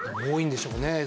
多いんでしょうね。